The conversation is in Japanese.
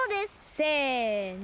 せの！